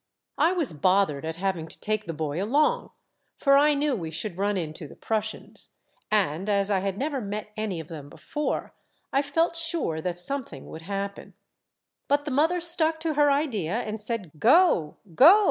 I was both ered at having to take the boy along, for I knew we should run into the Prussians, and as I had never met any of them before, I felt sure that some thing would happen. But the mother stuck to her idea, and said ' Go, go